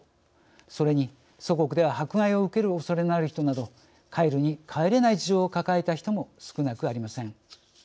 それに、祖国では迫害を受けるおそれのある人など帰るに帰れない事情を抱えた人も少なくありません。